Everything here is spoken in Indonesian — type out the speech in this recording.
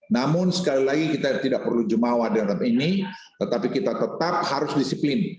namun sekali lagi kita tidak perlu jumawa dalam ini tetapi kita tetap harus disiplin